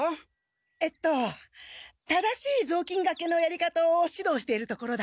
えっと正しいぞうきんがけのやり方をしどうしているところだ。